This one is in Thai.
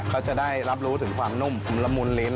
เขาจะได้รับรู้ถึงความนุ่มละมุนลิ้น